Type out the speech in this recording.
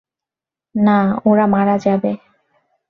না, ওরা মারা যাবে।